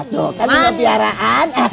tuh kan punya piaraan